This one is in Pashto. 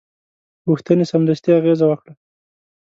غوښتنې سمدستي اغېزه وکړه.